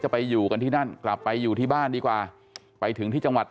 ไปอยู่กันที่นั่นกลับไปอยู่ที่บ้านดีกว่าไปถึงที่จังหวัด